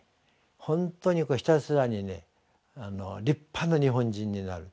本当にひたすらにね立派な日本人になる。